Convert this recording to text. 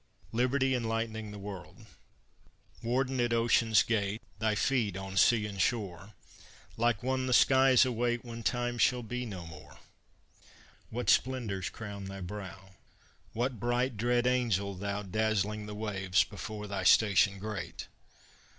LIBERTY ENLIGHTENING THE WORLD Warden at ocean's gate, Thy feet on sea and shore, Like one the skies await When time shall be no more! What splendors crown thy brow? What bright dread angel Thou, Dazzling the waves before Thy station great?